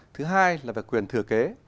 thứ hai là về quyền thừa kế